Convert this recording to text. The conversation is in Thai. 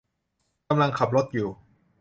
กำลังขับรถอยู่